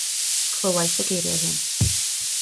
Clywais y geiriau hyn.